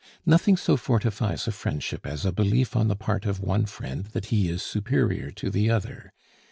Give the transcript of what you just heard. Nothing so fortifies a friendship as a belief on the part of one friend that he is superior to the other.